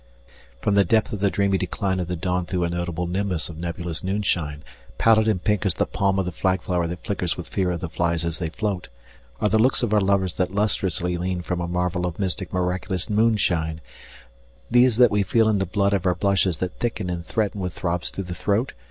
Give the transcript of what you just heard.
] FROM the depth of the dreamy decline of the dawn through a notable nimbus of nebulous noonshine, Pallid and pink as the palm of the flag flower that flickers with fear of the flies as they float, Are the looks of our lovers that lustrously lean from a marvel of mystic miraculous moonshine, These that we feel in the blood of our blushes that thicken and threaten with throbs through the throat?